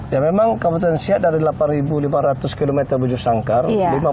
ya memang kawasan siak dari delapan lima ratus km bujusangkar lima puluh satu nya gambut